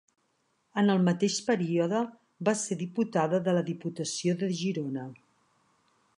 En el mateix període, va ser diputada a la Diputació de Girona.